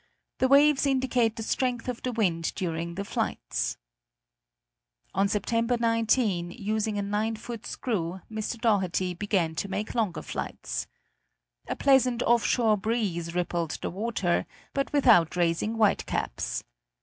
The waves indicate the strength of the wind during the flights. On September 19, using a 9 foot screw, Mr. Doherty began to make longer flights. A pleasant off shore breeze rippled the water, but without raising whitecaps.